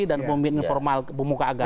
dan pemimpin formal pemuka agama